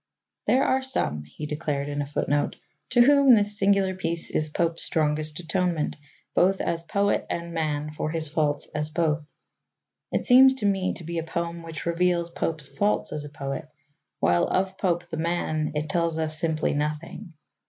"There are some," he declared in a footnote, "to whom this singular piece is Pope's strongest atonement, both as poet and man, for his faults as both." It seems to me to be a poem which reveals Pope's faults as a poet, while of Pope the man it tells us simply nothing.